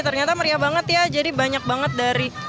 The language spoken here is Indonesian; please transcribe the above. ternyata meriah banget ya jadi banyak banget dari